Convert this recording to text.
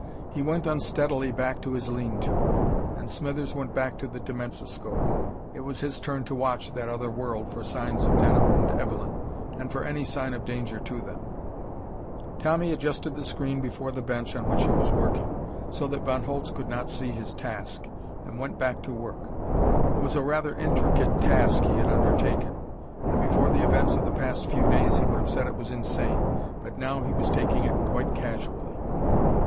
He went unsteadily back to his lean to. And Smithers went back to the dimensoscope. It was his turn to watch that other world for signs of Denham and Evelyn, and for any sign of danger to them. Tommy adjusted the screen before the bench on which he was working, so Von Holtz could not see his task, and went back to work. It was a rather intricate task he had undertaken, and before the events of the past few days he would have said it was insane. But now he was taking it quite casually.